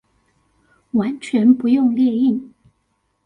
完全不用列印